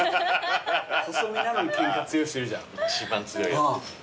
細身なのにケンカ強い人いるじゃん？